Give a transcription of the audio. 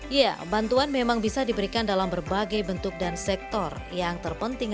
ya bantuan memang bisa diberikan dalam berbagai bentuk dan sektor yang terpenting